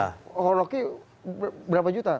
kalau rocky berapa juta